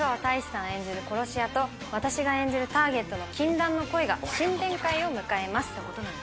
中川さん演じる殺し屋と、私が演じるターゲットの禁断の恋が新展開を迎えます。